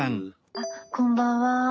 あっこんばんは。